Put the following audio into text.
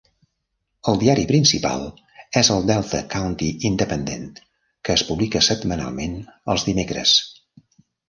El diari principal és el "Delta County Independent", que es publica setmanalment els dimecres.